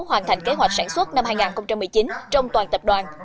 hoàn thành kế hoạch sản xuất năm hai nghìn một mươi chín trong toàn tập đoàn